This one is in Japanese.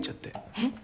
えっ？